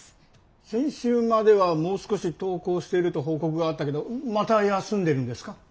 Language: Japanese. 先週まではもう少し登校してると報告があったけどまた休んでるんですか？